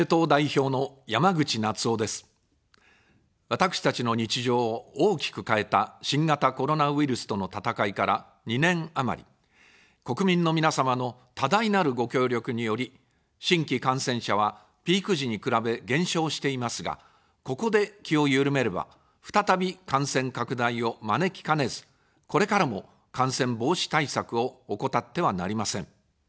私たちの日常を大きく変えた新型コロナウイルスとの闘いから２年余り、国民の皆様の多大なるご協力により、新規感染者はピーク時に比べ減少していますが、ここで気を緩めれば、再び感染拡大を招きかねず、これからも感染防止対策を怠ってはなりません。